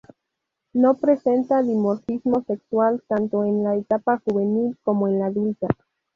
No presenta dimorfismo sexual tanto en la etapa juvenil como en la adulta.